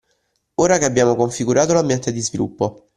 Ora che abbiamo configurato l’ambiente di sviluppo